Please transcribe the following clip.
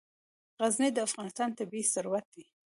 غزني د افغانستان طبعي ثروت دی.